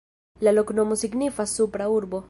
La loknomo signifas: Supra Urbo.